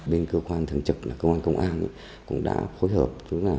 bên cơ quan thường trực là công an công an cũng đã phối hợp